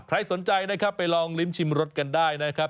ใครสนใจนะครับไปลองลิ้มชิมรสกันได้นะครับ